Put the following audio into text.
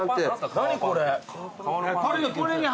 これ。